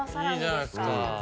いいじゃないですか。